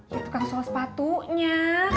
ya tukang sol sepatunya